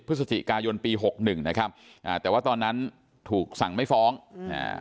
พฤศจิกายนปีหกหนึ่งนะครับอ่าแต่ว่าตอนนั้นถูกสั่งไม่ฟ้องอืมอ่า